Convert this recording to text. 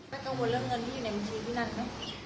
แม่กังวลเรื่องเงินที่อยู่ในมือที่นั่นนะ